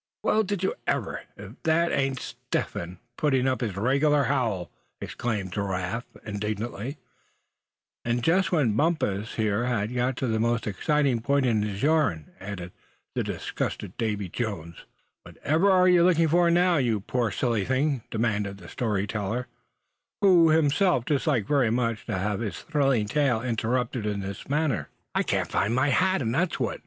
"Well, did you ever, if that ain't Step Hen putting up his regular howl!" exclaimed Giraffe, indignantly. "And just when Bumpus here had got to the most exciting point in his yarn," added the disgusted Davy Jones. "Whatever are you looking for now, you poor silly thing?" demanded the story teller, who himself disliked very much to have his thrilling tale interrupted in this manner. "I can't find my hat, and that's what?"